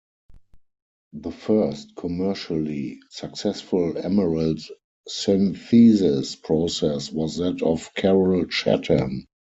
The first commercially successful emerald synthesis process was that of Carroll Chatham.